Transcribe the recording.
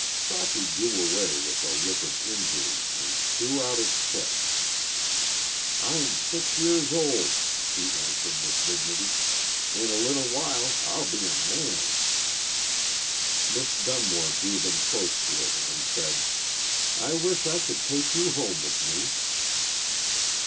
Socky drew away with a look of injury and threw out his chest. "I'm six years old," he answered, with dignity. "In a little while I'll be a man." Miss Dunmore drew them close to her and said, "I wish I could take you home with me."